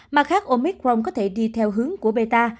mà khác omicron có thể đi theo hướng của beta